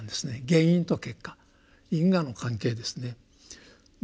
原因と結果因果の関係ですね。